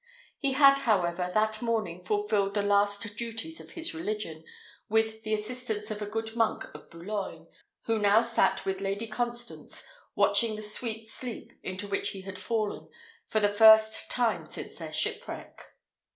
He had, however, that morning fulfilled the last duties of his religion, with the assistance of a good monk of Boulogne, who now sat with Lady Constance, watching the sweet sleep into which he had fallen for the first time since their shipwreck.